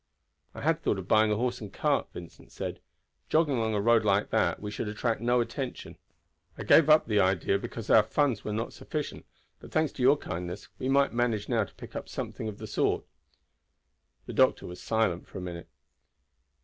"I had thought of buying a horse and cart," Vincent said. "Jogging along a road like that we should attract no attention. I gave up the idea because our funds were not sufficient, but, thanks to your kindness, we might manage now to pick up something of the sort." The doctor was silent for a minute.